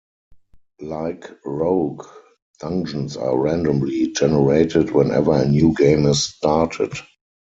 Like "Rogue", dungeons are randomly generated whenever a new game is started.